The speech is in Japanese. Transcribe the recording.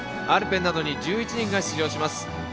アルペンなどに１１人が出場します。